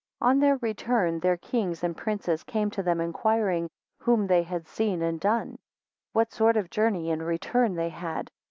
4 On their return their kings and princes came to them inquiring, whom they had seen and done? What sort of journey and return they had?